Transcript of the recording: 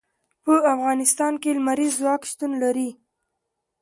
په افغانستان کې لمریز ځواک شتون لري.